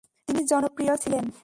তিনি জনপ্রিয় ছিলেন।